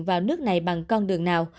vào nước này bằng con đường nào